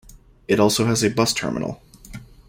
It also has a bus terminal.